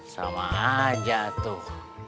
sama aja tuh